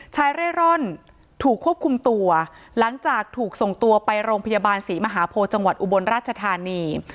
ชายเร่ร่อนถูกควบคุมตัวหลังจากถูกส่งตัวไปโรงพยาบาลศรีมหาโพจังหวัดอุบลราชธานี